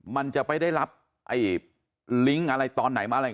มันจะไปได้รับลิงก์อะไรตอนไหนมาอะไร